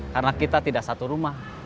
karena kita tidak satu rumah